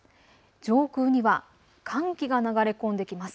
上空には寒気が流れ込んできます。